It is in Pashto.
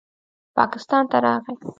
پاکستان ته راغے